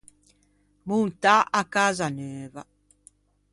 Montâ a casa neuva.